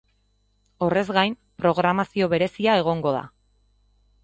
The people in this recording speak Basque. Horrez gain, programazio berezia egongo da.